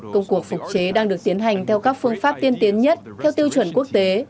công cuộc phục chế đang được tiến hành theo các phương pháp tiên tiến nhất theo tiêu chuẩn quốc tế